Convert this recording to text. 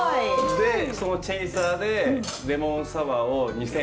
でそのチェイサーでレモンサワーを２，５００杯呑んだっていう。